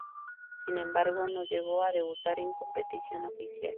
Sin embargo, no llegó a debutar en competición oficial.